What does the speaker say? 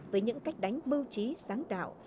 với những cách đánh bưu trí sáng tạo